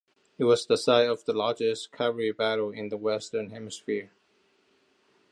It was the site of the largest cavalry battle in the western hemisphere.